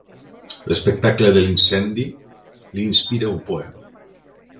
L'espectacle de l'incendi li inspirà un poema.